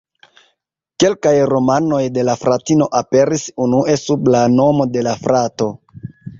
Kelkaj romanoj de la fratino aperis unue sub la nomo de la frato.